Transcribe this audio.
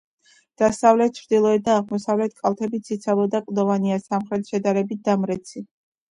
დასავლეთ, ჩრდილოეთ და აღმოსავლეთ კალთები ციცაბო და კლდოვანია, სამხრეთი შედარებით დამრეცი.